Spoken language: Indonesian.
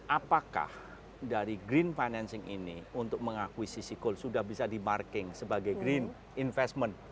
apakah dari green financing ini untuk mengakuisisi cool sudah bisa di marking sebagai green investment